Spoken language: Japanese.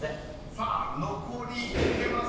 ［さあ残りいけますか？］